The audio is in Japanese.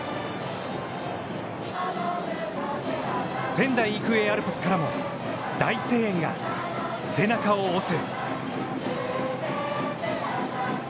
仙台育英アルプスからも大声援が背中を押す。